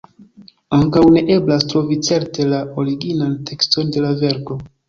Ankaŭ ne eblas trovi certe la originan tekston de la verko.